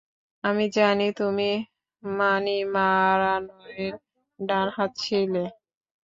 আমি জানি তুমি মানিমারানের ডানহাত ছিলে।